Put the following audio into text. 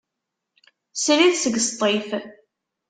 Srid seg Sṭif.